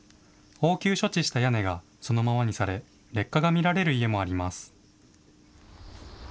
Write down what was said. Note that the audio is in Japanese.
応急処置した屋根がそのままにされ劣化が見られる家もあります。